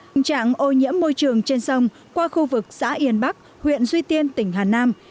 tình trạng ô nhiễm môi trường trên sông qua khu vực xã yên bắc huyện duy tiên tỉnh hà nam